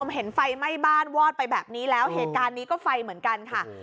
เห็นไฟไหม้บ้านวอดไปแบบนี้แล้วเหตุการณ์นี้ก็ไฟเหมือนกันค่ะ